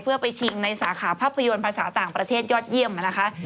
เพื่อไปชิงในสาขาภาพยนตร์ภาษาต่างประเทศยอดเยี่ยมนะคะ